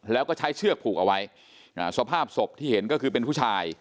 แล้วก็ใช้เชือกผูกเอาไว้สภาพศพที่เห็นก็คือเป็นผู้ชาย